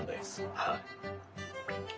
はい。